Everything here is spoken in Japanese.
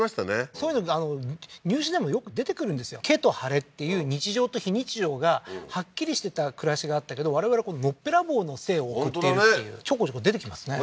そういうの入試でもよく出てくるんですよケとハレっていう日常と非日常がはっきりしてた暮らしがあったけど我々のっぺらぼうの生を送っているっていう本当だねちょこちょこ出てきますね